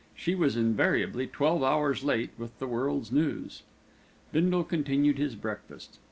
She was invariably twelve hours late with the world's news. Bindle continued his breakfast.